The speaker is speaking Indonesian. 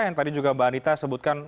yang tadi juga mbak anita sebutkan